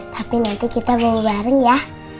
tapi nanti kita bawa bareng ya